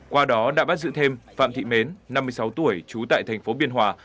qua đó đã bắt giữ thêm phạm thị mến năm mươi sáu tuổi trú tại thành phố biên hòa